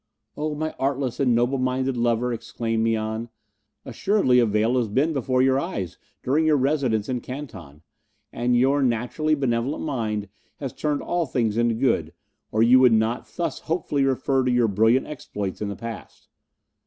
"Oh, my artless and noble minded lover!" exclaimed Mian, "assuredly a veil has been before your eyes during your residence in Canton, and your naturally benevolent mind has turned all things into good, or you would not thus hopefully refer to your brilliant exploits in the past.